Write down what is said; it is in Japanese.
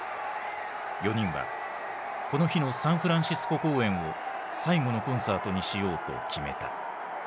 ４人はこの日のサンフランシスコ公演を最後のコンサートにしようと決めた。